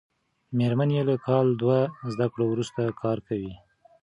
مېرمن یې له کال دوه زده کړو وروسته کار کوي.